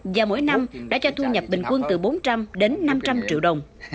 và mỗi năm đã cho thu nhập bình quân từ bốn trăm linh đến năm trăm linh triệu đồng